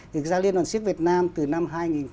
thực ra liên đoàn siếc việt nam từ năm hai nghìn sáu